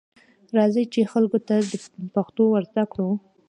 راځئ، چې خلکو ته پښتو ورزده کړو.